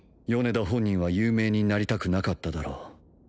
米田本人は有名になりたくなかっただろう